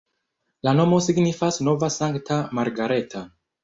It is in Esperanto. La nomo signifas nova-sankta-Margareta.